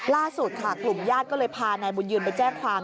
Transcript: ล่าสุดค่ะกลุ่มญาติก็เลยพานายบุญยืนไปแจ้งความ